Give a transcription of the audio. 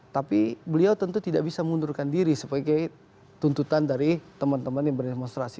tapi beliau tentu tidak bisa mengundurkan diri sebagai tuntutan dari teman teman yang berdemonstrasi